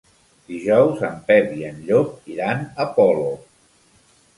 Dijous en Pep i en Llop iran a Polop.